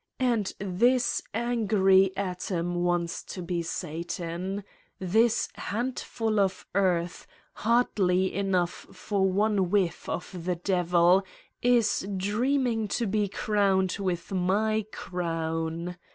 And this angry atom wants to be Satan ! This handful of earth, hardly enough for one whiff for the Devil, is dreaming to be crowned with my crown